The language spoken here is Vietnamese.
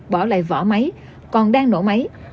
bỏ lại vỏ máy còn đang nổ máy